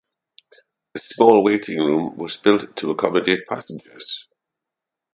A small waiting room was built to accommodate passengers.